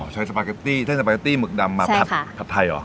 อ๋อใช้สปาเก็ตตี้เส้นสปาเก็ตตี้หมึกดำมาผัดไทยหรอ